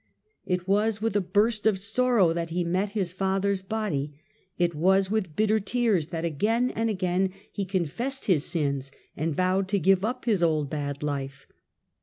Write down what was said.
It was with a burst of sorrow that he met his father's body; it was with bitter tears that again and again he confessed his sins, and vowed to give up his old bad life.